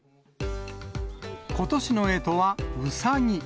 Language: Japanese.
ことしのえとはうさぎ。